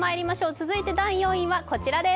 続いて第４位はこちらです。